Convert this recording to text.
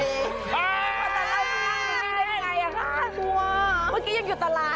แต่เรากำลังอยู่นี่ได้ยังไงอ่ะ